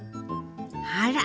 あら！